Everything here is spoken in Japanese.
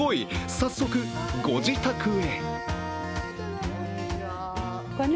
早速、ご自宅へ。